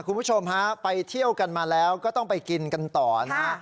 คุณผู้ชมฮะไปเที่ยวกันมาแล้วก็ต้องไปกินกันต่อนะฮะ